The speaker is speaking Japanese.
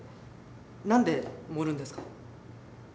何で盛るんですか？